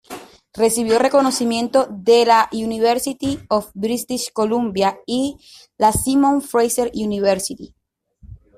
Recibió reconocimientos de la University of British Columbia y la Simon Fraser University.